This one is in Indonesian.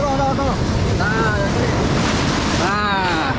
oh dia kalau itu muncul pak